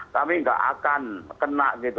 kami nggak akan kena gitu